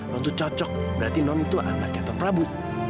non tuh cocok berarti non itu anak gatot prabu